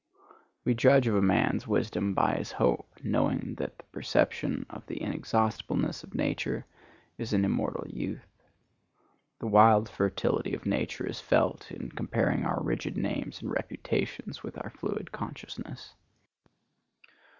We judge of a man's wisdom by his hope, knowing that the perception of the inexhaustibleness of nature is an immortal youth. The wild fertility of nature is felt in comparing our rigid names and reputations with our fluid consciousness.